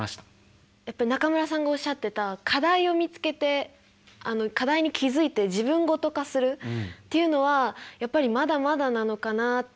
中村さんがおっしゃってた課題を見つけて課題に気付いて自分ごと化するっていうのはやっぱりまだまだなのかなって思ってて。